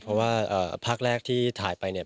เพราะว่าภาคแรกที่ถ่ายไปเนี่ย